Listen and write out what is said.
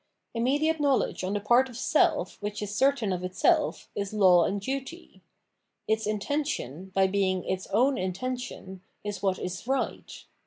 Im mediate knowledge on the part of self which is certain of itself is law and duty. Its intention, by being its own intention, is what is right.